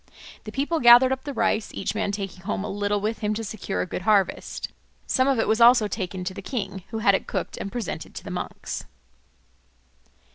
The people gathered up the rice, each man taking home a little with him to secure a good harvest. Some of it was also taken to the king, who had it cooked and presented to the monks.